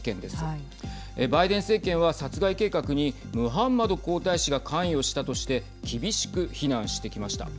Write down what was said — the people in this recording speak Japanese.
バイデン政権は殺害計画にムハンマド皇太子が関与したとして厳しく非難してきました。